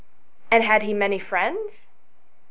" And had he many friends ?"